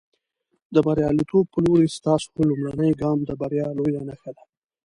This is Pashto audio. د برياليتوب په لورې، ستاسو لومړنی ګام د بریا لویه نښه ده.